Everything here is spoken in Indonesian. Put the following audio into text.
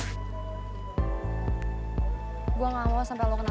gue gak mau sampai lo kenal